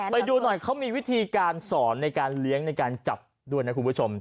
ไปดูหน่อยเขามีวิธีการสอนในการเลี้ยงในการจับด้วยนะคุณผู้ชม